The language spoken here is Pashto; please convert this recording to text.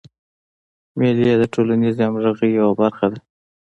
مېلې د ټولنیزي همږغۍ یوه برخه ده.